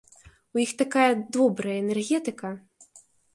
У іх такая добрая энергетыка!